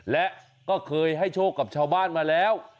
และก็เคยให้โชคกับชาวบ้านมาแล้ว